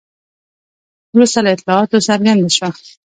وروسته له اطلاعاتو څرګنده شوه.